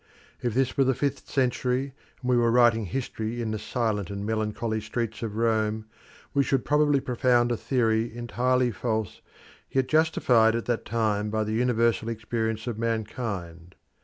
If this were the fifth century, and we were writing history in the silent and melancholy streets of Rome, we should probably propound a theory entirely false, yet justified at that time by the universal experience of mankind.